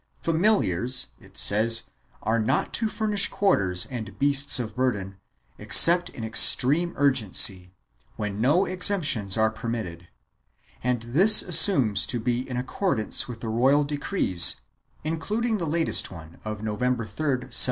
Familiars, it says, are not to furnish quarters and beasts of burden, except in extreme urgency when no exemptions are permitted, and this it assumes to be in accordance with the royal decrees, including the latest one of November 3, 1737.